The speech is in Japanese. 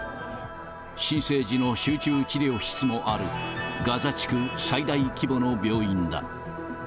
新生児の集中治療室もある、ガザ地区最大規模の病院だ。